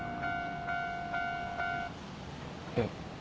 えっ？